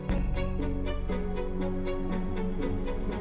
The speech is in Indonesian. aku gak terlalu berharap ma